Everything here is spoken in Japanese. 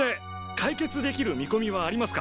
解決できる見込みはありますか？